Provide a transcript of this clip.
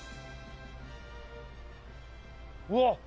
うわっ！